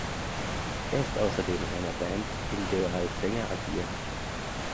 Er ist außerdem in einer Band, in der er als Sänger agiert.